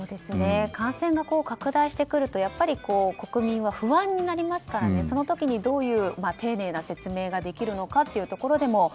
感染が拡大してくると国民は不安になりますからその時にどういう丁寧な説明ができるのかというところですね。